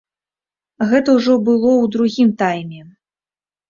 Гэта ўжо было ў другім тайме.